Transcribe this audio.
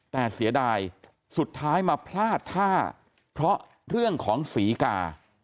แต่เสียดายสุดท้ายมาพลาดท่าเพราะเรื่องของศรีกา